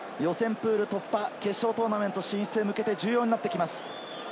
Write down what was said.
プール突破、決勝トーナメント進出に向けて重要になってきます。